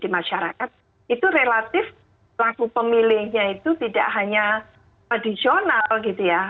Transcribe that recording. di masyarakat itu relatif laku pemilihnya itu tidak hanya tradisional gitu ya